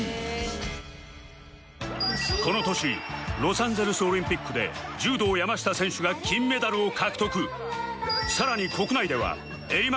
この年ロサンゼルスオリンピックで柔道山下選手が金メダルを獲得